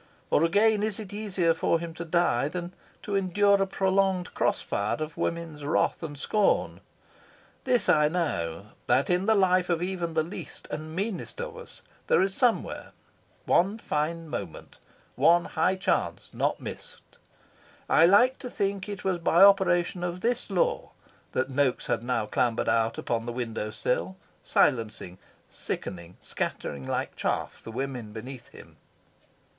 Or again, is it easier for him to die than to endure a prolonged cross fire of women's wrath and scorn? This I know: that in the life of even the least and meanest of us there is somewhere one fine moment one high chance not missed. I like to think it was by operation of this law that Noaks had now clambered out upon the window sill, silencing, sickening, scattering like chaff the women beneath him.